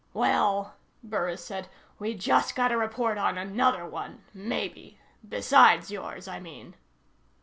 "Well," Burris said, "we just got a report on another one maybe. Besides yours, I mean."